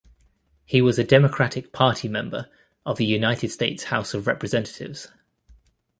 He was a Democratic Party member of the United States House of Representatives.